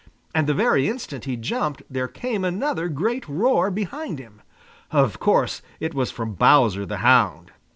And the very instant he jumped there came another great roar behind him. Of course it was from Bowser the Hound.